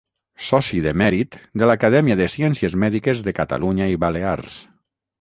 Soci de mèrit de l'Acadèmia de Ciències Mèdiques de Catalunya i Balears.